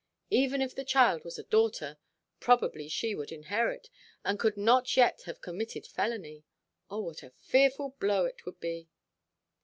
Even if the child was a daughter, probably she would inherit, and could not yet have committed felony. Oh, what a fearful blow it would be!